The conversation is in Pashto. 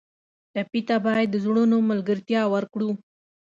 ټپي ته باید د زړونو ملګرتیا ورکړو.